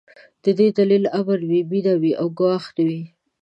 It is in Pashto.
د دې دلیل امن و، مينه وه او ګواښ نه و.